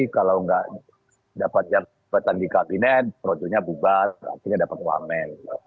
kalau gak dapat jatah di kabinet projo nya bubat akhirnya dapat wamen